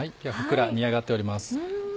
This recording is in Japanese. ふっくら煮上がっております。